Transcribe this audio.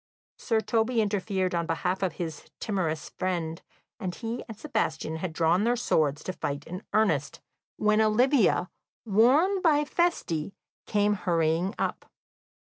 Sir Toby interfered on behalf of his timorous friend, and he and Sebastian had drawn their swords to fight in earnest, when Olivia, warned by Feste, came hurrying up.